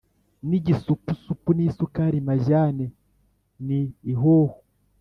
Nigisupusupu nisukari majyane ni ihoho